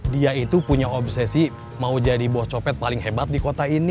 dia itu punya obsesi mau jadi buah copet paling hebat di kota ini